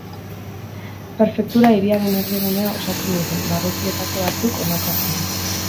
Prefektura hiriaren erdigunea osatzen duten barrutietako batzuk, honakoak dira.